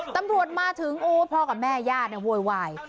ตำรวจมาถึงโอ้ภ่ากับแม่ญาติโวยวาย